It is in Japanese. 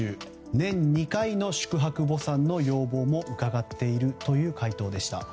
年２回の宿泊墓参の要望もうかがっているという回答でした。